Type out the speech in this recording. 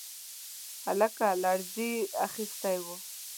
هلک لړزې اخيستی و.